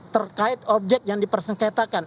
terkait objek yang dipersengketakan